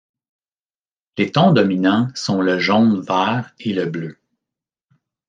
Les tons dominants sont le jaune-vert et le bleu.